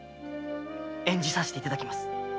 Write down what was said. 演じさせていただきます。